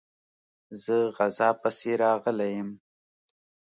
زه غزا پسي راغلی یم.